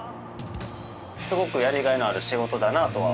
すごくやりがいのある仕事だなとは思ってます。